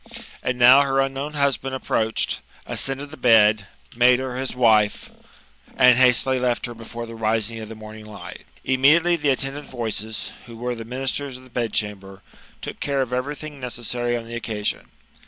And now her unknown husband approached, ascended the bed, made her his wife, and hastily left her before the rising of the GOLDBN ASS, OF APULEIUS. — BOOK V. 73 morning light. Immediately the attendant voices, who were • the ministers of the bedchamber, took care of everything neces sary on the occasion.